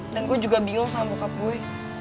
dan gua juga bingung sama bokap gue